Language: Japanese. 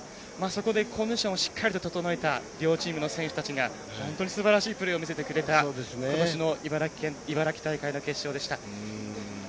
そこで、コンディションをしっかりと整えた両チームの選手たちが本当にすばらしいプレーを見せてくれたことしの茨城大会の決勝でした。